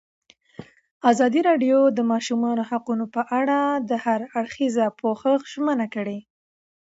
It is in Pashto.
ازادي راډیو د د ماشومانو حقونه په اړه د هر اړخیز پوښښ ژمنه کړې.